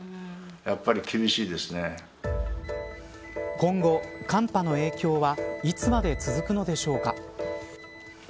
今後、寒波の影響はいつまで続くのでしょうか。